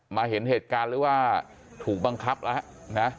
เห็นเหตุการณ์หรือว่าถูกบังคับแล้วนะ